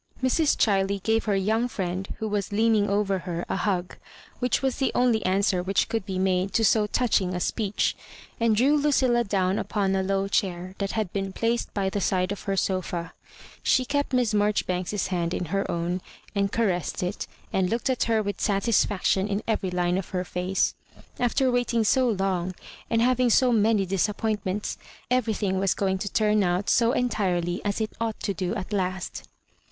Mrs. Ohiley gave her young friend, who was leaning over her, a hug, which was the only answer which could be made to so touching a speech, and drew Ludlla down upon a low chair that had been placed by the side of her sofa. She kept Miss Marjoribanks's hand in her own, and caressed it, and looked at her with satisfaction in every line of her face. After waiting so long, and having so many disap pointments, everthing was going to turn out so entirely as it ought to do at last.